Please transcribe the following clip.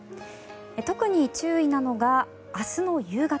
特に注意なのが明日の夕方。